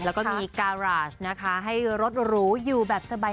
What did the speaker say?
แล้วก็มีการาสนะคะให้รถหรูอยู่แบบสบาย